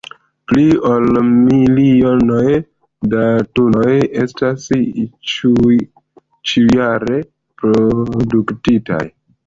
Pli ol milionoj da tunoj estas ĉiujare produktitaj.